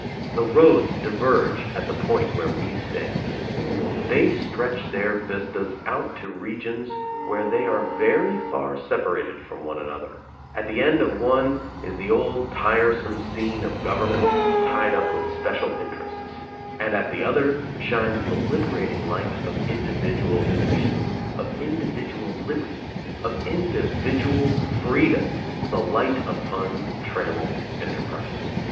The roads diverge at the point where we stand. They stretch their vistas out to regions where they are very far separated from one another; at the end of one is the old tiresome scene of government tied up with special interests; and at the other shines the liberating light of individual initiative, of individual liberty, of individual freedom, the light of untrammeled enterprise.